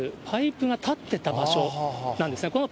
パイプが立っていた場所なんですね。